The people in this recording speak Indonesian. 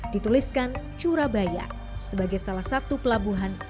dituliskan surabaya sebagai salah satu pelabuhan